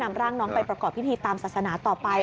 นำร่างน้องไปประกอบพิธีตามศาสนาต่อไป